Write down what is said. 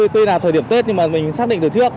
tuy là thời điểm tết nhưng mà mình xác định từ trước